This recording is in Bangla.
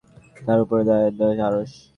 আর তার উপরে হলো দয়াময়ের আরশ।